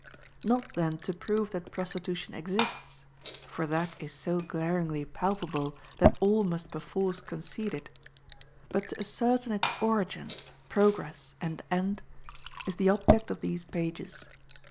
Not then to prove that prostitution exists, for that is so glaringly palpable that all must perforce concede it, but to ascertain its origin, progress, and end, is the object of these pages.